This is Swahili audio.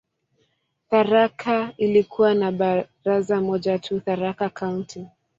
Tharaka ilikuwa na baraza moja tu, "Tharaka County".